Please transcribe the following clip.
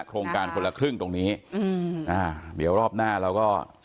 โครงการคนละครึ่งตรงนี้อืมอ่าเดี๋ยวรอบหน้าเราก็